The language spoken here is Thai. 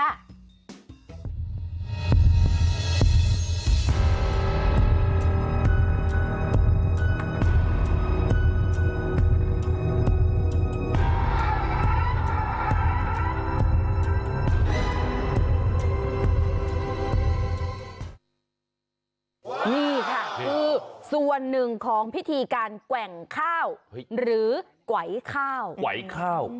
นี่ค่ะคือส่วนหนึ่งของพิธีการแกว่งข้าวหรือไหวข้าวไหวข้าว